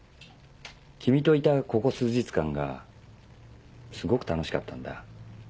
君といたここ数日間がすごく楽しかったんだ。